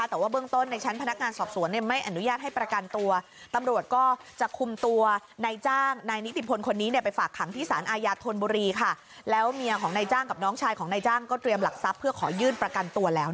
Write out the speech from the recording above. รับเงินด้วยนะน้องเขาขอเงิน